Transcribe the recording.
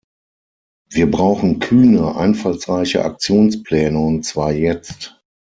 Wir brauchen kühne, einfallsreiche Aktionspläne, und zwar jetzt.